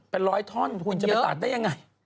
เป็นร้อยท่อนคุณจะไปตัดได้ยังไง